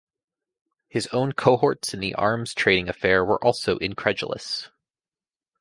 His own cohorts in the arms trading affair were also incredulous.